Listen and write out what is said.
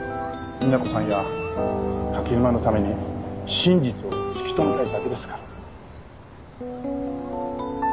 みな子さんや柿沼のために真実を突き止めたいだけですから。